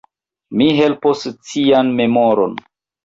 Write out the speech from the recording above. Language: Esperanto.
Mi helpos cian memoron.